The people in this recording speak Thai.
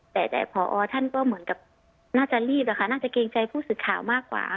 แต่พอท่านก็เหมือนกับน่าจะรีบอะค่ะน่าจะเกรงใจผู้สื่อข่าวมากกว่า